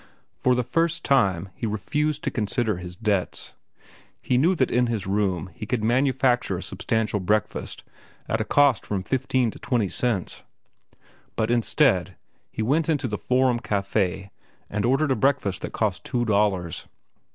For the first time he refused to consider his debts. He knew that in his room he could manufacture a substantial breakfast at a cost of from fifteen to twenty cents. But, instead, he went into the Forum Café and ordered a breakfast that cost two dollars.